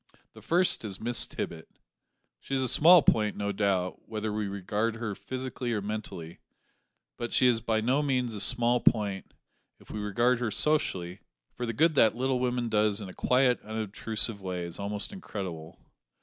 The first is, Miss Tippet. She is a small point, no doubt, whether we regard her physically or mentally, but she is by no means a small point if we regard her socially, for the good that that little woman does in a quiet, unobtrusive way is almost incredible.